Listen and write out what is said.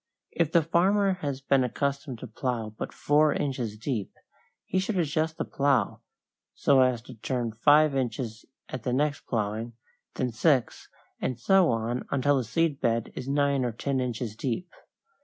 If the farmer has been accustomed to plow but four inches deep, he should adjust the plow so as to turn five inches at the next plowing, then six, and so on until the seed bed is nine or ten inches deep.